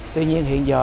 tuy nhiên hiện giờ